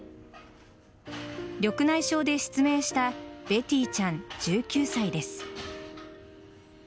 緑内障で失明したベティちゃん、１９歳です。